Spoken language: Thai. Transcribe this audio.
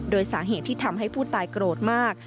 โดยสาเหตุที่ทำให้ผู้ตายโกรธมาก